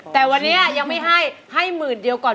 แต่วันนี้ยังไม่ให้ให้หมื่นเดียวก่อน